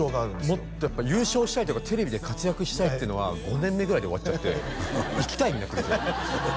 もっとやっぱ優勝したいとかテレビで活躍したいっていうのは５年目ぐらいで終わっちゃって生きたいになってくるんですよ